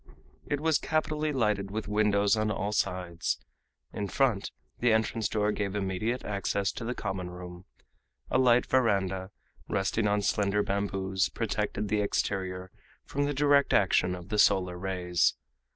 It was capitally lighted with windows on all sides. In front, the entrance door gave immediate access to the common room. A light veranda, resting on slender bamboos, protected the exterior from the direct action of the solar rays.